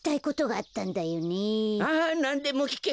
あなんでもきけ！